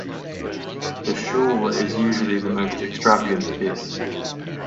The shawl is usually the most extravagant piece.